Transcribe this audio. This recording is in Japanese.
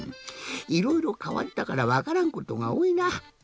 いろいろかわったからわからんことがおおいな。